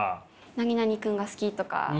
何々君が好きとか何々